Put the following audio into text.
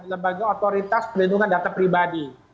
lembaga otoritas perlindungan data pribadi